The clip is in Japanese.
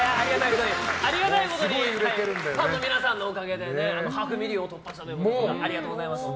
ありがたいことにファンの皆さんのおかげでハーフミリオン突破したということで。